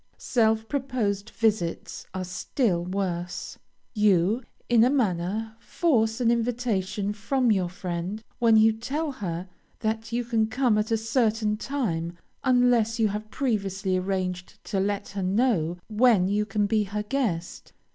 Self proposed visits are still worse. You, in a manner, force an invitation from your friend when you tell her that you can come at a certain time, unless you have previously arranged to let her know when you can be her guest.